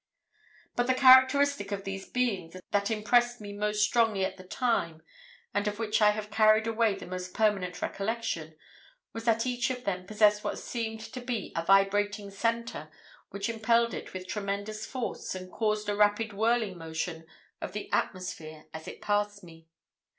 "But the characteristic of these 'Beings' that impressed me most strongly at the time, and of which I have carried away the most permanent recollection, was that each one of them possessed what seemed to be a vibrating centre which impelled it with tremendous force and caused a rapid whirling motion of the atmosphere as it passed me.